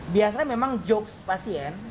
biasanya memang jokes pasien